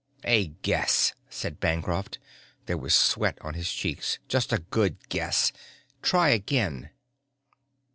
"A guess," said Bancroft. There was sweat on his cheeks. "Just a good guess. Try again."